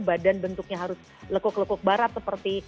badan bentuknya harus lekuk lekuk barat seperti